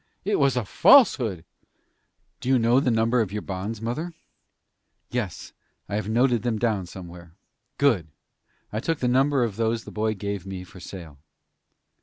"It was a falsehood." "Do you know the number of your bonds, mother?" "Yes, I have them noted down, somewhere." "Good! I took the number of those the boy gave me for sale."